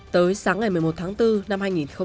tới sáng ngày một mươi một tháng bốn năm hai nghìn hai mươi